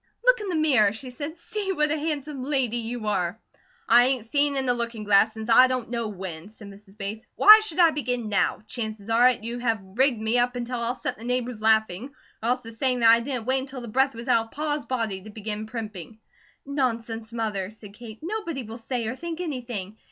"Look in the mirror," she said. "See what a handsome lady you are." "I ain't seen in a looking glass since I don't know when," said Mrs. Bates. "Why should I begin now? Chances are 'at you have rigged me up until I'll set the neighbours laughing, or else to saying that I didn't wait until the breath was out of Pa's body to begin primping." "Nonsense, Mother," said Kate. "Nobody will say or think anything.